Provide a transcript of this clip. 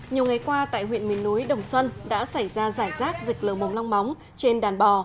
nhiều ngày qua tại huyện miền núi đồng xuân đã xảy ra giải rác dịch lờ mồm long móng trên đàn bò